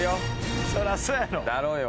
そらそやろ。